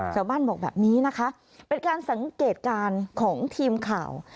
ชาวบ้านบอกแบบนี้นะคะเป็นการสังเกตการณ์ของทีมข่าว